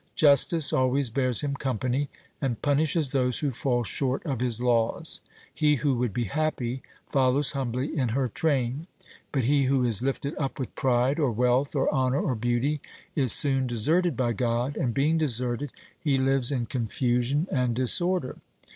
Justice always bears Him company, and punishes those who fall short of His laws. He who would be happy follows humbly in her train; but he who is lifted up with pride, or wealth, or honour, or beauty, is soon deserted by God, and, being deserted, he lives in confusion and disorder.